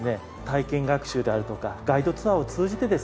体験学習であるとかガイドツアーを通じてですね